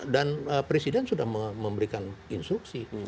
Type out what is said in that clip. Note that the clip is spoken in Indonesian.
dan presiden sudah memberikan instruksi